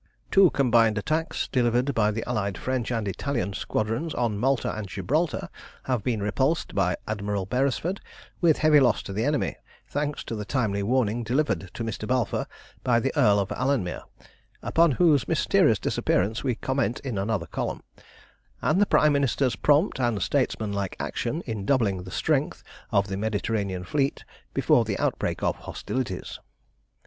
"Two combined attacks, delivered by the allied French and Italian squadrons on Malta and Gibraltar, have been repulsed by Admiral Beresford with heavy loss to the enemy, thanks to the timely warning delivered to Mr. Balfour by the Earl of Alanmere upon whose mysterious disappearance we comment in another column and the Prime Minister's prompt and statesmanlike action in doubling the strength of the Mediterranean fleet before the outbreak of hostilities.